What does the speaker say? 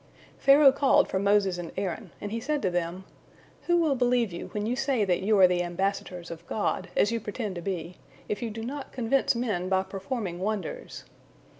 Pharaoh called for Moses and Aaron, and he said to them: "Who will believe you when you say that you are the ambassadors of God, as you pretend to be, if you do not convince men by performing wonders?"